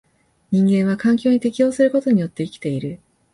人間は環境に適応することによって生きている。